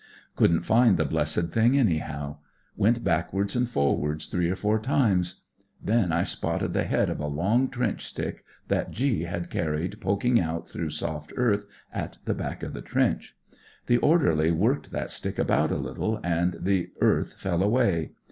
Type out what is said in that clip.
Couldn't find the blessed thing, any how. Went backwards and forwards three or four times. Then I spotted the head of a long trench stick that G had carried pokin' out through soft earth at the back of the trench. The orderly worked that stick about a little, and the earth fell ?' y.